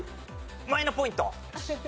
マイナポイント。